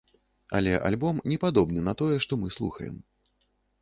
Але альбом не падобны на тое, што мы слухаем.